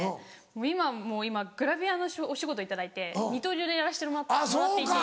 今もうグラビアのお仕事頂いて二刀流でやらせてもらっていて。